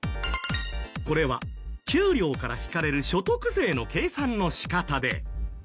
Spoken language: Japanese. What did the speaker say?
これは給料から引かれる所得税の計算の仕方で。